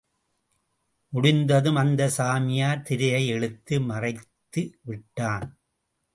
முடிந்ததும் அந்த சாமியார் திரையை இழுத்து மறைத்து விட்டான்.